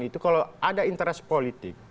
itu kalau ada interest politik